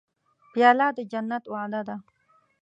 پیاله د جنت وعده ده.